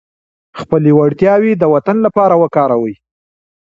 خپلې وړتیاوې د وطن لپاره وکاروئ.